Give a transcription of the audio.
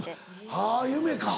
はぁ夢か。